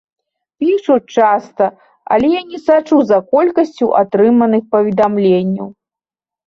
Пішуць часта, але я не сачу за колькасцю атрыманых паведамленняў.